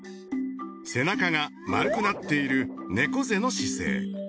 背中が丸くなっている猫背の姿勢。